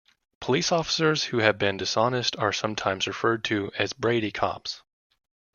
Police officers who have been dishonest are sometimes referred to as "Brady cops".